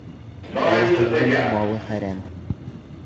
Балаһыҙҙың малы хәрәм